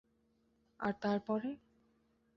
আর তার পরে!